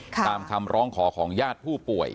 ตามคำร้องขอของญาติผู้ป่วย